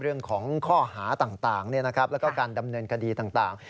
เรื่องของข้อหาต่างแล้วก็การดำเนินคดีต่าง